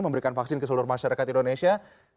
memberikan vaksin ke seluruh masyarakat indonesia